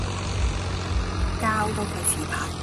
膠都費事派